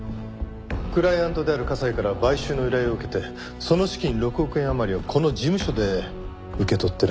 クライアントである加西から買収の依頼を受けてその資金６億円余りをこの事務所で受け取ってるはずですよね？